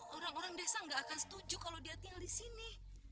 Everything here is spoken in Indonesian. orang orang desa nggak akan setuju kalau dia tinggal di sini